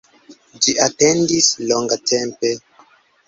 Ĝi atendis longatempe.